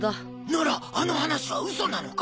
ならあの話はウソなのか？